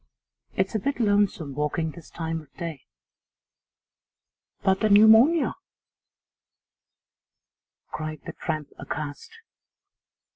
It's a bit lonesome walking this time of day.' 'But the pneumonia!' cried the tramp, aghast.